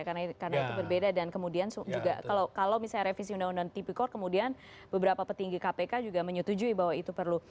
karena itu berbeda dan kemudian juga kalau misalnya revisi undang undang tipikor kemudian beberapa petinggi kpk juga menyetujui bahwa itu perlu